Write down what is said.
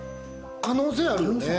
可能性あるよね。